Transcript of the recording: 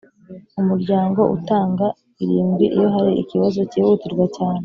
Umuryango utanga irindwi iyo hari ikibazo cyihutirwa cyane.